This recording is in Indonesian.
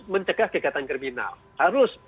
mencegah kegiatan kriminal harus